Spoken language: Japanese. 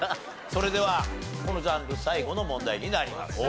それではこのジャンル最後の問題になります。